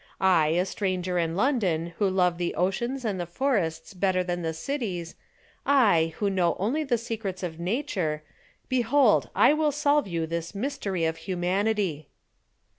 I, a stranger in London, who love the oceans and the forests better than the cities, I, who know only the secrets of Nature, behold, I will solve you this mystery of humanity."